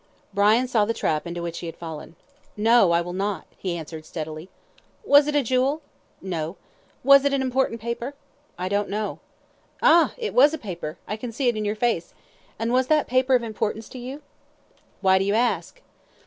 Brian saw the trap into which he had fallen. "No! I will not," he answered steadily. "Was it a jewel?" "No!" "Was it an important paper?" "I don't know." "Ah! It was a paper. I can see it in your face. And was that paper of importance to you?" "Why do you ask?"